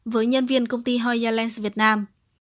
với nhân viên công ty hoya lens việt nam